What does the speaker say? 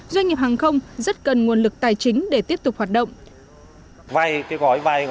doanh nghiệp hàng không rất cần nguồn lực tài chính để tiếp tục hoạt động